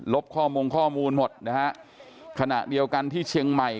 ลบข้อมูลหมดขณะเดียวกันที่เชียงใหม่